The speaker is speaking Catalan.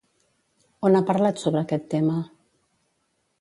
On ha parlat sobre aquest tema?